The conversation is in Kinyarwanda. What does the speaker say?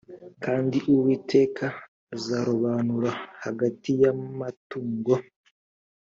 kandi uwiteka azarobanura hagati y amatungo